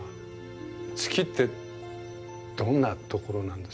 月ってどんな所なんですか？